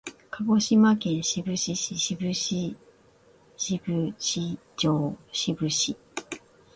鹿児島県志布志市志布志町志布志